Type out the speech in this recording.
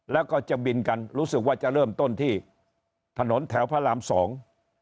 แล้วก็จะบินกันรู้สึกว่าจะเริ่มต้นที่ถนนแถวพระรามสอง